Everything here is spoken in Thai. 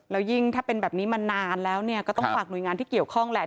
แล้วยิ่งถ้าเป็นแบบนี้มานานแล้วเนี่ยก็ต้องฝากหน่วยงานที่เกี่ยวข้องแหละ